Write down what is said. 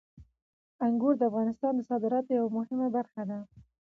انګور د افغانستان د صادراتو یوه مهمه برخه ده.